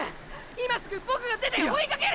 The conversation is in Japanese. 今すぐボクが出て追いかける！！